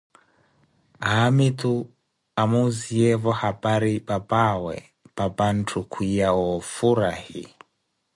Haamitu amuziyeevo hapari papaawe, papantto kwiya wa ofurahi